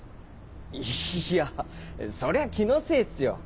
いやそれは気のせいっすよ。